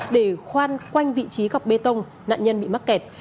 để khoan quanh vị trí gọc bê tông nạn nhân bị mắc kẹt